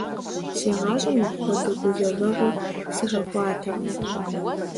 Си гъащӀэм мыпхуэдэ гузэвэгъуэ сыхэхуатэкъым.